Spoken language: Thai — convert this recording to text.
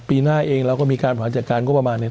ปีหน้าเองเราก็มีการบริหารจัดการงบประมาณเนี่ย